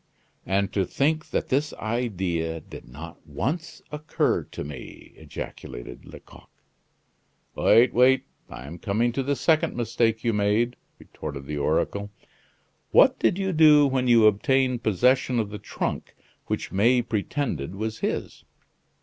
"And to think that this idea did not once occur to me!" ejaculated Lecoq. "Wait, wait, I am coming to the second mistake you made," retorted the oracle. "What did you do when you obtained possession of the trunk which May pretended was his?